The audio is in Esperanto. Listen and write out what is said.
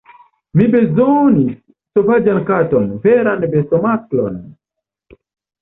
Mi bezonis sovaĝan katon, veran bestomasklon...